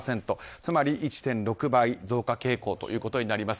つまり１．６倍増加傾向ということになります。